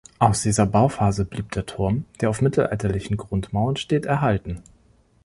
Aus dieser Bauphase blieb der Turm, der auf mittelalterlichen Grundmauern steht, erhalten.